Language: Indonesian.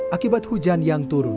akibat hujan yang turun